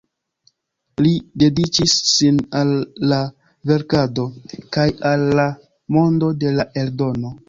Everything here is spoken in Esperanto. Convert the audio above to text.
Li dediĉis sin al la verkado kaj al la mondo de la eldono.